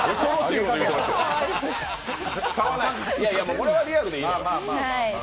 これはリアルでいいです。